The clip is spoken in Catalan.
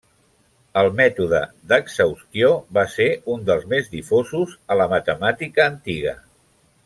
El mètode d'exhaustió va ser un dels més difosos a la matemàtica antiga.